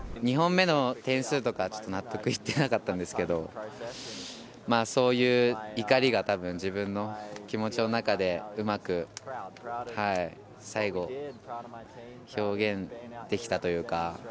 ２本目の点数とかはちょっと納得いってなかったんですけど、そういう怒りがたぶん、自分の気持ちの中で、うまく最後、表現できたというか。